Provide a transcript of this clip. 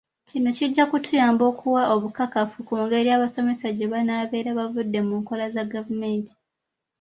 Kino kijja kutuyamba okuwa obukakafu ku ngeri abasomesa gye banaabeera bavudde ku nkola za gavumenti.